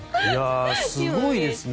すごいですね。